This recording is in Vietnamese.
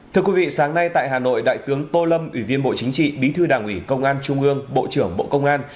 thưa quý vị sáng nay tại hà nội đại tướng tô lâm ủy viên bộ chính trị bí thư đảng ủy công an trung ương bộ trưởng bộ công an